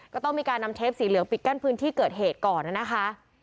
ก็ต้องมีการนำเทปสีเหลืองปิดกั้นพื้นที่เกิดเหตุก่อนนะคะ